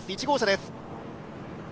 １号車です。